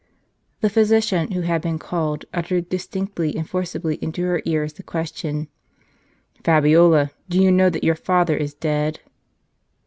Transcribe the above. The physician, who had been called, uttered distinctly and forcibly into her ears the question :" Fabiola, do you know that your father is dead